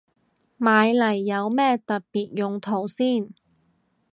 買嚟有咩特別用途先